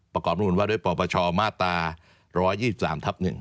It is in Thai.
ประกอบรับนุนว่าด้วยปปชมาตรา๑๒๓ทับ๑